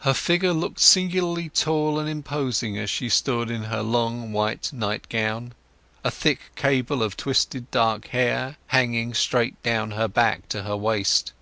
Her figure looked singularly tall and imposing as she stood in her long white nightgown, a thick cable of twisted dark hair hanging straight down her back to her waist.